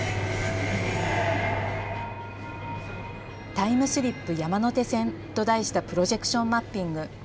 タイムスリップ山手線と題したプロジェクションマッピング。